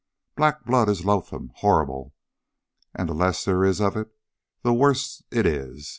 Black blood is loathsome, horrible! and the less there is of it the worse it is.